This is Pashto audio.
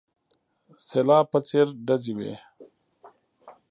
سلاب په څېر ډزې وې.